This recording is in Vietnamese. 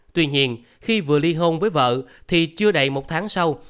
tuy nhiên khi vừa ly hôn với vợ thì chưa đầy một tháng sau